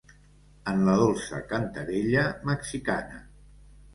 En la dolça cantarella mexicana.